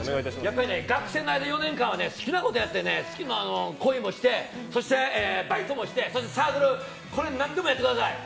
やっぱりね、学生の４年間は好きなことやってね、恋もしてそしてバイト、サークルと何でもやってください。